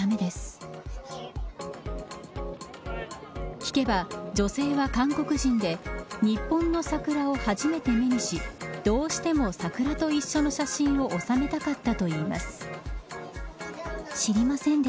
聞けば、女性は韓国人で日本の桜を初めて目にしどうしても桜と一緒の写真を収めたかったといいます。